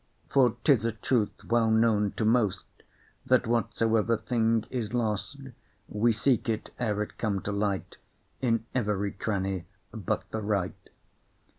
For 'tis a truth well known to most, That whatsoever thing is lost, We seek it, ere it come to light, In every cranny but the right.